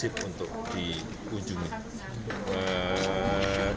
ini membutuhkan investasi yang besar